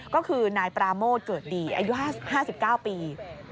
ก็คือนายปราโมทเกิดดีอายุ๕๙ปี